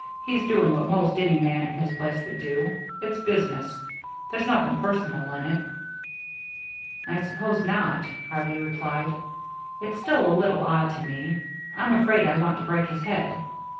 He's doing what 'most any man in his place would do. It's business. There's nothing personal in it." "I suppose not," Harvey replied. "It's still a little odd to me. I'm afraid I'd want to break his head."